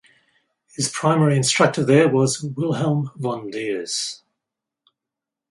His primary instructor there was Wilhelm von Diez.